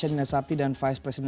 jadi ada shift di situ